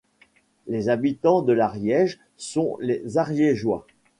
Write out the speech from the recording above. Les habitants de l'Ariège sont les Ariégeois.